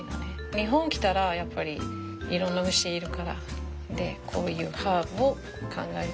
日本来たらやっぱりいろんな虫いるからこういうハーブを考えて一緒に混ぜる。